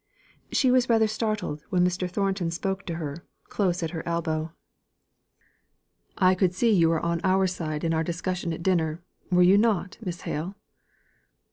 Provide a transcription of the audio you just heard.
She was rather startled when Mr. Thornton spoke to her close at her elbow: "I could see you were on our side in our discussion at dinner, were you not, Miss Hale?"